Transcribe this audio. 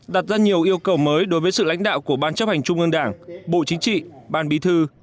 đặt ra nhiều yêu cầu mới đối với sự lãnh đạo của ban chấp hành trung ương đảng bộ chính trị ban bí thư